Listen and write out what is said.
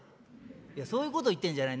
「いやそういうこと言ってんじゃない。